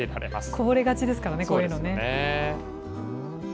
こぼれがちですからね、こういうのは。